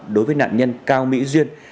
đối với nạn nhân cao mỹ duyên